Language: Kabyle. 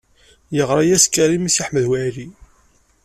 Yeɣṛa-yas Karim i Si Ḥmed Waɛli.